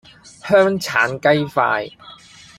香橙雞塊